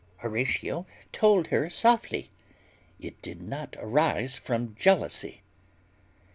Horatio told her softly, "It did not arise from jealousy."